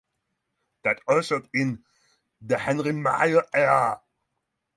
That ushered in the Henry Meyer era.